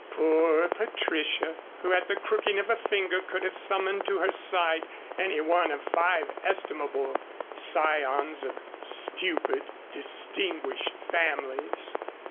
Poor Patricia! who at the crooking of a finger, could have summoned to her side any one of five estimable scions of stupid, distinguished families.